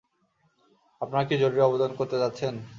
আপনারা কি জরুরি অবতরণ করাতে চাচ্ছেন?